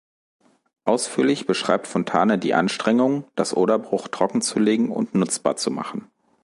Ausführlich beschreibt Fontane die Anstrengungen, das Oderbruch trockenzulegen und nutzbar zu machen.